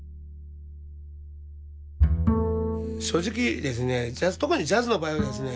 正直ですね特にＪａｚｚの場合はですね